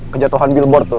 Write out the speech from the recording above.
kejatuhan billboard tuh